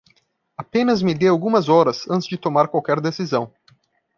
Apenas me dê algumas horas antes de tomar qualquer decisão.